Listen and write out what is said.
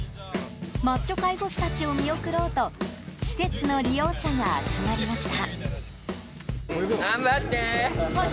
マッチョ介護士たちを見送ろうと施設の利用者が集まりました。